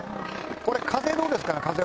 これ、風どうですかね